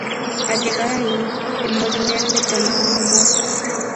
Al llegar ahí, el molinero le toma como mozo.